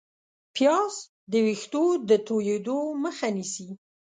پیاز د ویښتو د تویېدو مخه نیسي